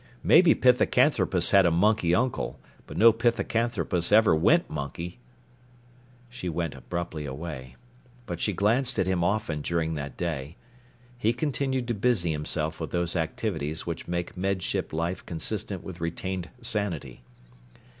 "Maybe Pithecanthropus had a monkey uncle, but no Pithecanthropus ever went monkey." She turned abruptly away. But she glanced at him often during that day. He continued to busy himself with those activities which make Med Ship life consistent with retained sanity.